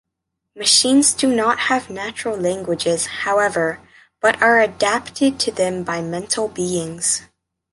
Machines do not have natural languages, however, but are adapted to them by mental beings.